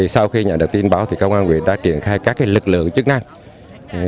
sau khi nhận được tin báo công an huyện đã triển khai các lực lượng chức năng